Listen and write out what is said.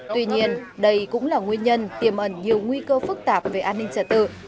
tuy nhiên đây cũng là nguyên nhân tiềm ẩn nhiều nguy cơ phức tạp về an ninh trật tự